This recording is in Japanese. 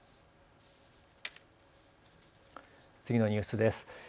次のニュースです。